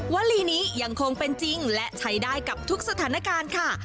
วลีนี้ยังคงเป็นจริงและใช้ได้กับทุกสถานการณ์ค่ะ